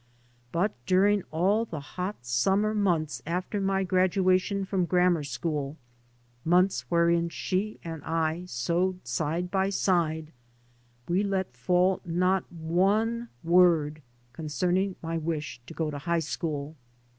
But during all the hot summer months after my graduation from grammar school, months wherein she and I sewed side by side, we let fall not one word concerning my wish to go to high school.